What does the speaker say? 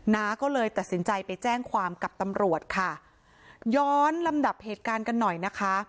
น้าก็เลยตัดสินใจไปแจ้งความกับตำรวจค่ะย้อนลำดับเหตุการณ์กันหน่อยนะคะ